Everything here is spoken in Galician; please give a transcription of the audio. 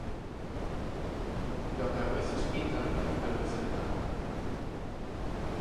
E o que ás veces quitan, ás veces dan.